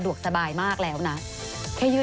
นุ้ยวางละพีเวลาแล้วนุ้ยก็ยืดอีกสักหน่อยได้ป่ะ